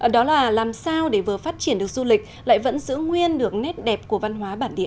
đó là làm sao để vừa phát triển được du lịch lại vẫn giữ nguyên được nét đẹp của văn hóa bản địa